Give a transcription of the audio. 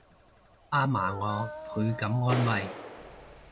阿嫲我倍感安慰